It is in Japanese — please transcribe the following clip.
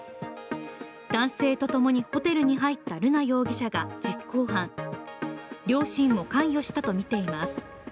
男性と共にホテルに入った瑠奈容疑者が実行犯、両親も関与したとみています。